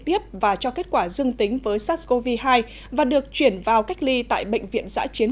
tiếp và cho kết quả dương tính với sars cov hai và được chuyển vào cách ly tại bệnh viện giã chiến